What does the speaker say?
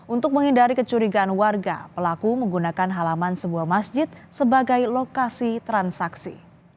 untuk menghindari kecurigaan warga pelaku menggunakan halaman sebuah masjid sebagai lokasi transaksi